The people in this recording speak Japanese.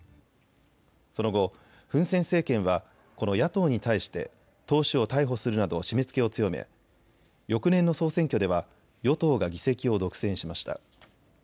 その後、フン・セン政権はこの野党に対して党首を逮捕するなど締めつけを強め翌年の総選挙では与党が議席を独占しました。